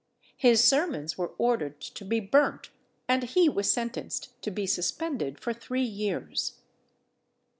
His sermons were ordered to be burnt, and he was sentenced to be suspended for three years.